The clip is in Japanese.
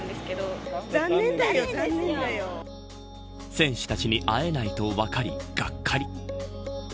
選手たちに会えないと分かりがっかり。